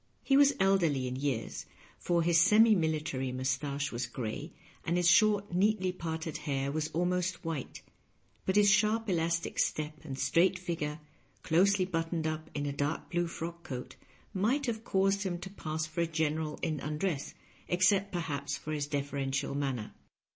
He was elderly in years, for his semi military mustache was gray, and his short, neatly parted hair was almost white, but his sharp elastic step and straight figure, closely buttoned up in a dark blue frock coat, might have caused him to pass for a general in undress, except, perhaps, for his deferential manner.